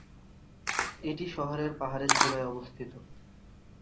এটি শহরের পাহাড়ের চূড়ায় অবস্থিত।